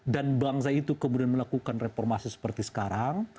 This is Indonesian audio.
dan bangsa itu kemudian melakukan reformasi seperti sekarang